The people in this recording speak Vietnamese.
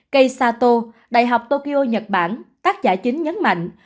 kei sato đại học tokyo nhật bản tác giả chính nhấn mạnh